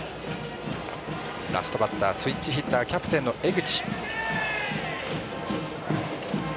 ラストバッタースイッチヒッターキャプテンの江口。